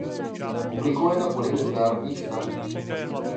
Publikuje na poli mezinárodních vztahů.